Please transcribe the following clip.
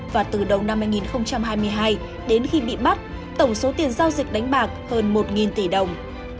và từ đầu năm hai nghìn hai mươi hai đến khi bị bắt tổng số tiền giao dịch đánh bạc hơn một tỷ đồng